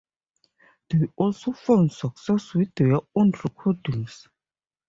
They also found success with their own recordings.